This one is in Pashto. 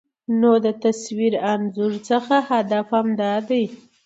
نو د تصوير انځور څخه هدف همدا دى